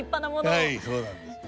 はいそうなんです。